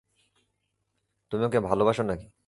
তুমি ওকে ভালোবাসো নাকি?